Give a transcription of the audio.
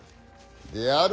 である